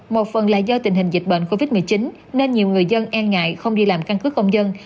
một phần là do tình hình dịch bệnh covid một mươi chín nên nhiều người dân e ngại không đi làm căn cứ công dân